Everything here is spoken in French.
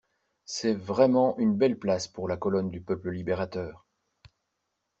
C'est vraiment une belle place pour la colonne du peuple libérateur!